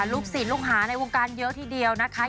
ลูกศิษย์ลูกหาในวงการเยอะทีเดียวนะคะ